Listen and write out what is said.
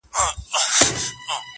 یوه ورځ به خپلي غوښي تر دېګدان وړي -